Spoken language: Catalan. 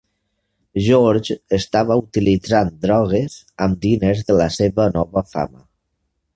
George estava utilitzant drogues amb diners de la seva nova fama.